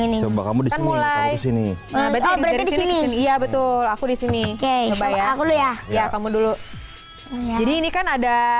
ini kamu disini sini iya betul aku disini oke aku ya ya kamu dulu jadi ini kan ada